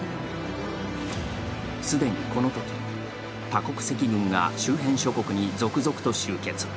既にこのとき、多国籍軍が周辺諸国に続々と集結。